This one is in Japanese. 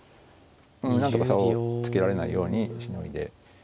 なんとか差をつけられないようにしのいで。